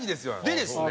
でですね